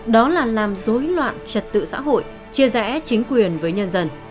đó là làm dối loạn trật tự xã hội chia rẽ chính quyền với nhân dân